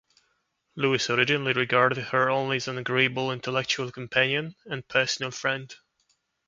Lewis originally regarded her only as an agreeable intellectual companion and personal friend.